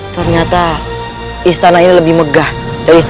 terima kasih atas kemurahan busti